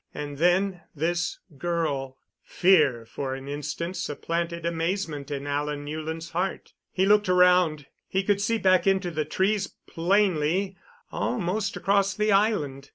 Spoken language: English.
And then this girl Fear for an instant supplanted amazement in Alan Newland's heart. He looked around. He could see back into the trees plainly, almost across the island.